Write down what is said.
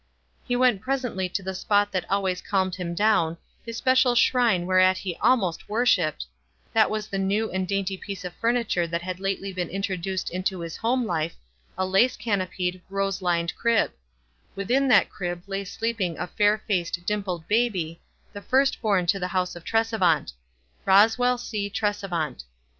He went presently to the spot that always calmed him down, his special shrine whereat he almost worshiped — that was the new and dainty piece of furniture that had lately been intro duced into his home life, a lace canopied, rose lined crib ; within that crib lay sleeping a fair faced, dimpled baby, the first born to the house of Tresevant —" Eos well C. Tresevant."